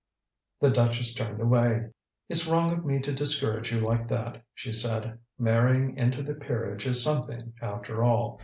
The duchess turned away. "It's wrong of me to discourage you like that," she said. "Marrying into the peerage is something, after all.